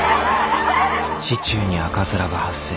市中に赤面が発生。